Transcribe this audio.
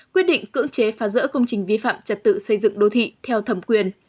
quyết định cưỡng chế phá rỡ công trình vi phạm trật tự xây dựng đô thị theo thẩm quyền